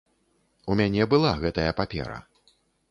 У мяне была гэтая папера.